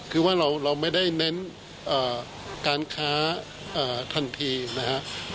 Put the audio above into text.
คือว่าเราไม่ได้เน้นการค้าทันทีนะครับ